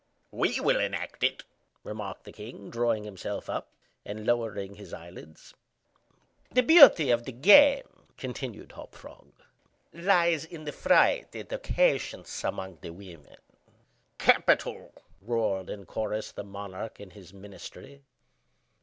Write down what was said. "We will enact it," remarked the king, drawing himself up, and lowering his eyelids. "The beauty of the game," continued Hop Frog, "lies in the fright it occasions among the women." "Capital!" roared in chorus the monarch and his ministry.